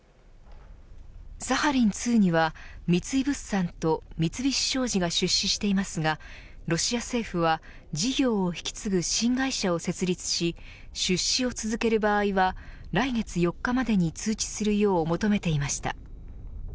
サハリン２には三井物産と三菱商事が出資していますがロシア政府は事業を引き継ぐ新会社を設立し出資を続ける場合には来月４日までに通知するよう、求めていました。